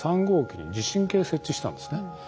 ３号機に地震計設置したんですね。